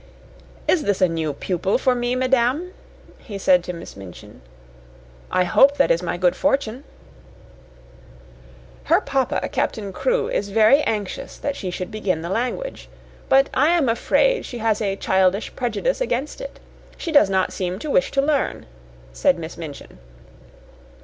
"Is this a new pupil for me, madame?" he said to Miss Minchin. "I hope that is my good fortune." "Her papa Captain Crewe is very anxious that she should begin the language. But I am afraid she has a childish prejudice against it. She does not seem to wish to learn," said Miss Minchin.